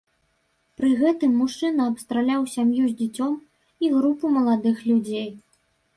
Пры гэтым мужчына абстраляў сям'ю з дзіцем і групу маладых людзей.